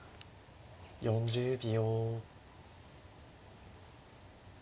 ４０秒。